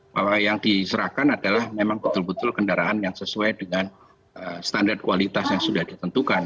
bahwa yang diserahkan adalah memang betul betul kendaraan yang sesuai dengan standar kualitas yang sudah ditentukan